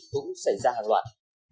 cũng xảy ra hàng loạt